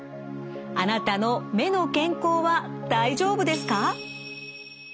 あなたの目の健康は大丈夫ですか？